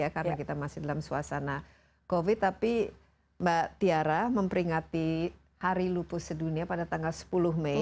karena kita masih dalam suasana covid tapi mbak tiara memperingati hari lupus sedunia pada tanggal sepuluh mei